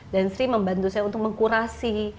dan sri membantu saya untuk mengkurasi